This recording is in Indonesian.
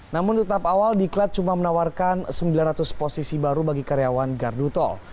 namun tetap awal diklat cuma menawarkan sembilan ratus posisi baru bagi karyawan gardu tol